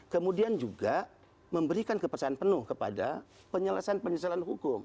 kemudian juga memberikan kepercayaan penuh kepada penyelesaian penyelesaian hukum